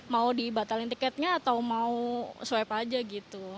mau dibatalkan tiketnya atau mau swipe aja gitu